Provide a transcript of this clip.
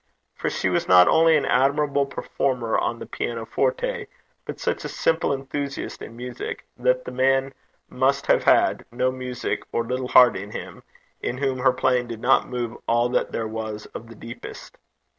For she was not only an admirable performer on the pianoforte, but such a simple enthusiast in music, that the man must have had no music or little heart in him in whom her playing did not move all that there was of the deepest.